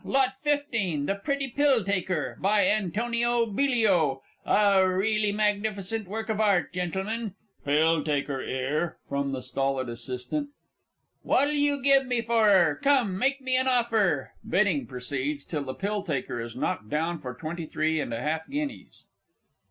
Lot 15. "The Pretty Pill taker," by Antonio Bilio a really magnificent work of Art, Gentlemen. ("Pill taker, 'ere.!" from the S. A.) What'll you give me for her? Come, make me an offer. (_Bidding proceeds till the "Pill taker" is knocked down for twenty three and a half guineas.